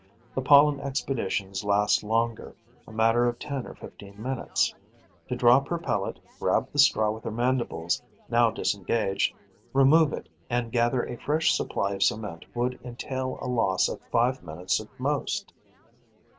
The pollen expeditions last longer, a matter of ten or fifteen minutes. To drop her pellet, grab the straw with her mandibles, now disengaged, remove it and gather a fresh supply of cement would entail a loss of five minutes at most.